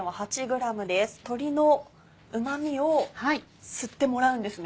鶏のうまみを吸ってもらうんですね。